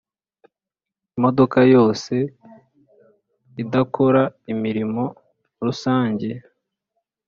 Imodoka yose idakora imirimo rusange